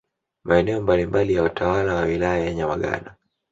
Maeneo mbalimbali ya utawala ya Wilaya ya Nyamagana